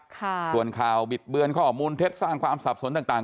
ส่วนข่าวบิดเบือนข้อมูลเท็จสร้างความสับสนต่าง